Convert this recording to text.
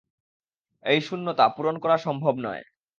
এই শূন্যতা পূরণ করা সম্ভব নয়।